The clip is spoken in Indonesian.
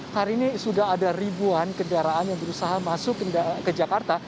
hari ini sudah ada ribuan kendaraan yang berusaha masuk ke jakarta